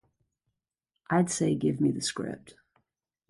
I'd say, 'Give me the script.